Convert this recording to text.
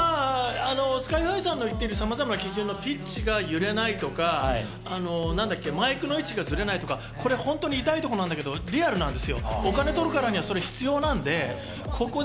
ＳＫＹ−ＨＩさんが言ってるさまざまな基準の、ピッチが揺れないとか、マイクの位置がずれないとか、本当に痛いところだけどリアルなんです。